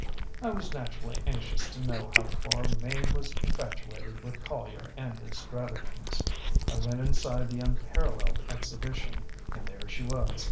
ŌĆ£I was naturally anxious to know how far Mame was infatuated with Collier and his stratagems. I went inside the Unparalleled Exhibition, and there she was.